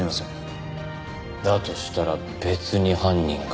だとしたら別に犯人が。